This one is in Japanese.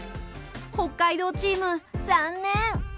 北海道チーム残念！